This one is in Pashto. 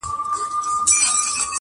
بيزو وان كړې په نكاح څلور بيبياني،